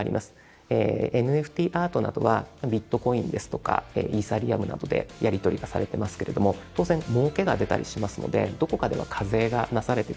ＮＦＴアートなどはビットコインですとかイーサリアムなどでやり取りがされてますけれども当然もうけが出たりしますのでどこかでは課税がなされてくると思います。